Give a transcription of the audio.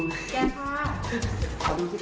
พิกัดว่าเกะกะ